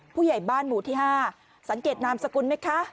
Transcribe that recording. ผู้ใหญ่บ้านหมู่ที่๕สังเกตนามสกุลไหมคะ